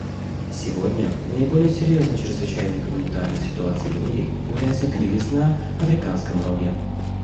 Сегодня наиболее серьезной чрезвычайной гуманитарной ситуацией в мире является кризис на Африканском Роге.